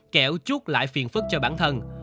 kẹo chút lại phiền phức cho bản thân